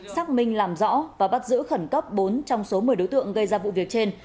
xác minh làm rõ và bắt giữ khẩn cấp bốn trong số một mươi đối tượng gây ra vụ việc trên